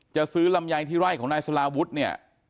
จะซื้อลำไยที่ไร่ของนายสลาวุฒิเนี่ย